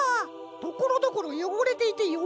ところどころよごれていてよめんな。